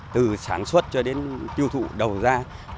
từ sản xuất cho đến tiêu thụ đầu ra